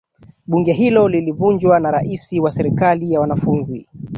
bunge hilo lilivunjwa na raisi wa serikali ya wanafunzi